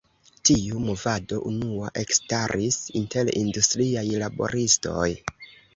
Tiu movado unua ekstaris inter industriaj laboristoj.